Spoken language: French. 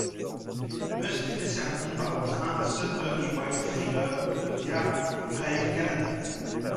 Musk est desservie par le train Sudbury-White River de Via Rail Canada.